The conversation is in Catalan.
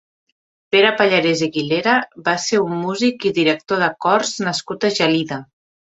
Pere Pallarès i Guilera va ser un músic i director de cors nascut a Gelida.